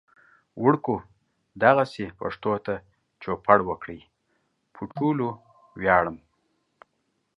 وړکو دغسې پښتو ته چوپړ وکړئ. پو ټولو وياړم